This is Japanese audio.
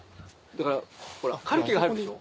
だからカルキが入るでしょ。